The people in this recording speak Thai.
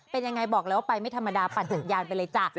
เป็นยังไงบอกแล้วว่าไปไม่ธรรมดาปั่นสัญญาณไปเลยจ้ะ